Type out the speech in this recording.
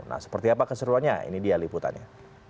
nah seperti apa keseruannya ini dia liputannya